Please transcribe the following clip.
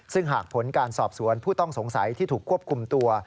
ซึ่งหากผลการสอบสวนผู้ต้องสงสัยที่ถูกควบคุมตัว